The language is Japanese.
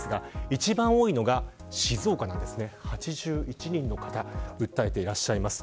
一番多いのが静岡で８１人の方が訴えていらっしゃいます。